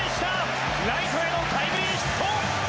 ライトへのタイムリーヒット！